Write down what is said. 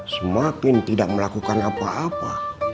semakin tidak melakukan apa apa